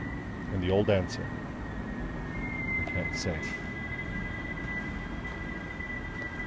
And the old answer: "I can't say."